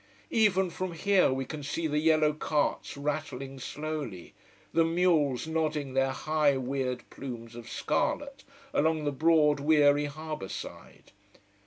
Even from here we can see the yellow carts rattling slowly, the mules nodding their high weird plumes of scarlet along the broad weary harbour side.